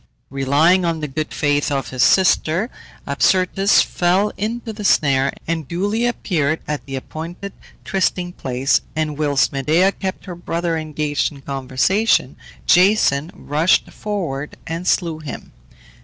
Relying on the good faith of his sister, Absyrtus fell into the snare, and duly appeared at the appointed trysting place; and whilst Medea kept her brother engaged in conversation, Jason rushed forward and slew him.